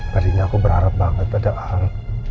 tadinya aku berharap banget padahal